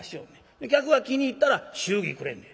で客が気に入ったら祝儀くれんねん」。